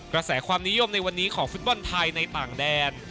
กระแสความนิยมในวันนี้ของฟุตบอลไทยในต่างแดน